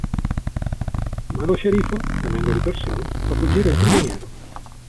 Ma lo sceriffo, temendo ritorsioni, fa fuggire il prigioniero.